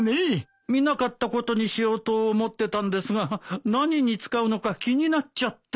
見なかったことにしようと思ってたんですが何に使うのか気になっちゃって。